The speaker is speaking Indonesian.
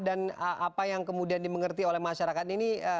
dan apa yang kemudian dimengerti oleh masyarakat ini